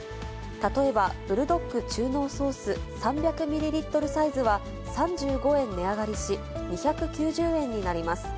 例えば、ブルドック中濃ソース３００ミリリットルサイズは３５円値上がりし、２９０円になります。